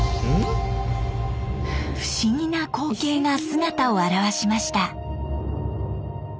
不思議な光景が姿を現しました。